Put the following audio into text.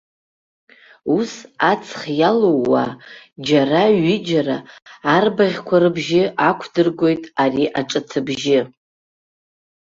Ус аҵх иалууа, џьара-ҩыџьара арбаӷьқәа рыбжьы ақәдыргоит ари аҿыҭбжьы.